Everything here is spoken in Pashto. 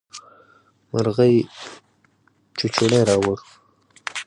مرغۍ چوچوڼی راووړ.